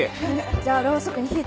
じゃあろうそくに火付けて。